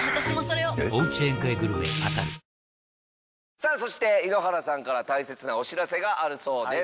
さあそして井ノ原さんから大切なお知らせがあるそうです。